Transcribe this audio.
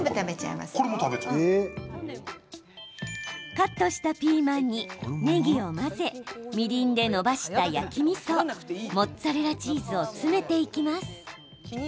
カットしたピーマンにねぎを混ぜみりんでのばした焼きみそ、モッツァレラチーズを詰めていきます。